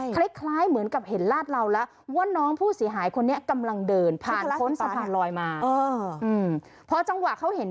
คล้ายเหมือนกับเห็นลาดเราแล้วว่าน้องผู้เสียหายคนนี้กำลังเดิน